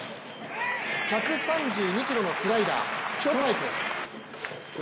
１３２キロのスライダー、ストライクです。